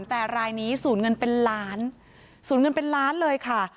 แต่รายนี้สูญเงินเป็นล้านศูนย์เงินเป็นล้านเลยค่ะ